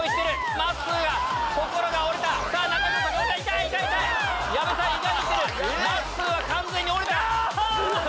まっすーは完全に折れた。